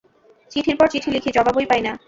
চিঠির পর চিঠি লিখি, জবাবই পাই না।